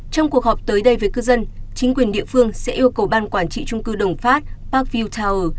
trong cuộc họp tới đây với cư dân chính quyền địa phương sẽ yêu cầu ban quản trị trung cư đồng phát parkvild tower